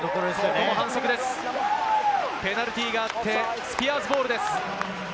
ここも反則、ペナルティーがあって、スピアーズボールです。